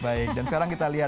baik dan sekarang kita lihat